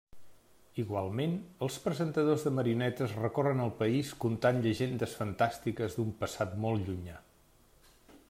Igualment, els presentadors de marionetes recorren el país contant llegendes fantàstiques d'un passat molt llunyà.